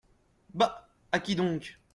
Bah ! à qui donc ?